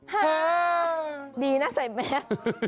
ฮ่าดีนะใส่แม็กซ์